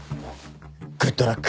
グッドラック。